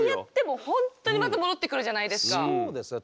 そうですね。